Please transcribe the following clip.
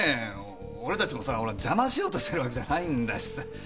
俺たちも邪魔しようとしてるわけじゃないんだしさ。